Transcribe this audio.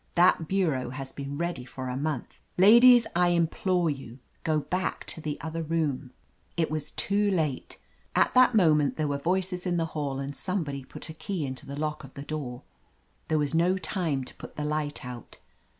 That bureau has been ready for a month. Ladies, I implore you, go back to the other room I*' It was too late. At that moment there were voices in the hall and somebody put a key into the lock of the door. There was no time to put the light out.